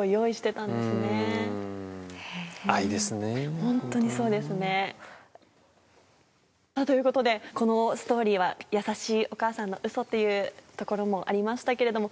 ホントにそうですね。ということでこのストーリーは優しいお母さんの嘘っていうところもありましたけれども。